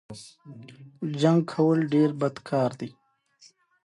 د ګیډې د باد لپاره کوم څاڅکي وکاروم؟